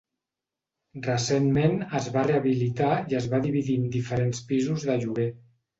Recentment es va rehabilitar i es va dividir en diferents pisos de lloguer.